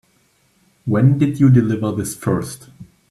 When did you deliver this first?